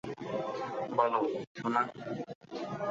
বলো, সোনা।